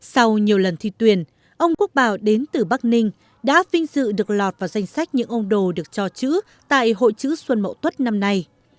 sau nhiều lần thi tuyển ông quốc bảo đến từ bắc ninh đã vinh dự được lọt vào danh sách những ông đồ được cho chữ tại hội chữ xuân mậu tuất năm nay